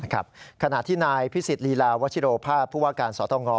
ขณะที่นายพิสิทธิลีลาวัชิโรภาพผู้ว่าการสตง